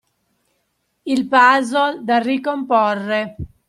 Il puzzle da ricomporre.